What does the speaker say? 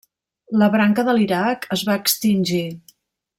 La branca de l'Iraq es va extingir.